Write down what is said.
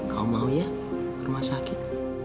kau mau ya rumah sakit